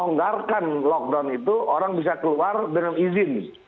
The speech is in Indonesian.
longgarkan lockdown itu orang bisa keluar dengan izin